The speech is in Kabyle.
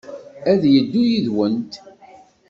Ad yeddu yid-went.